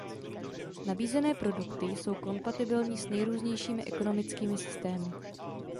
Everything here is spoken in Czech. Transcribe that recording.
Nabízené produkty jsou kompatibilní s nejrůznějšími ekonomickými systémy.